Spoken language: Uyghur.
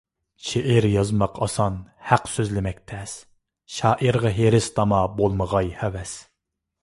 شېئىر يازماق ئاسان، ھەق سۆزلىمەك تەس، شائىرغا ھېرىس تاما بولمىغاي ھەۋەس.